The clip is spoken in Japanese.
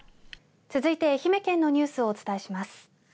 続いて愛媛県のニュースをお伝えします。